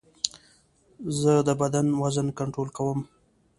زه د بدن وزن کنټرول کوم.